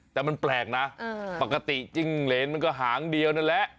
แต่มันแปลกนะปกติจิ้งเหรนมันก็หางเดียวนั่นแหละ